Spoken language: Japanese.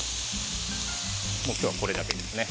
今日はこれだけですね。